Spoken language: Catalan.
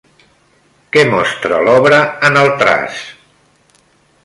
Què mostra l'obra en el traç?